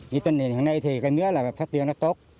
với tình hình hôm nay mía phát triển rất tốt